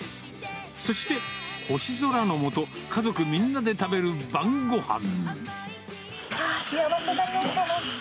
そして、星空のもと、家族みんなで食べる晩ごはん。